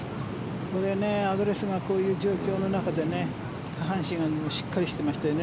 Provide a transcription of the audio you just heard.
これ、アドレスがこういう状況の中で下半身がしっかりしてましたよね。